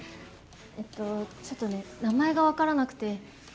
あのちょっと名前が分からなくて。